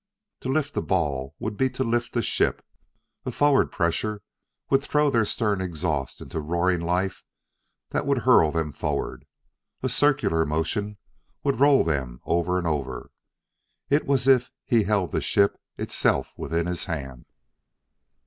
To lift the ball would be to lift the ship; a forward pressure would throw their stern exhaust into roaring life that would hurl them forward; a circular motion would roll them over and over. It was as if he held the ship itself within his hand.